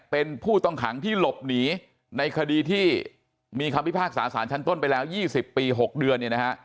เป็นผู้ต้องขังที่หลบหนีในคดีที่มีคำพิพากษาสารชั้นต้นไปแล้ว๒๐ปี๖เดือนเนี่ยนะฮะ